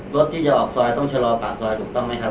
รถที่จะออกซอยต้องชะลอปากซอยถูกต้องไหมครับ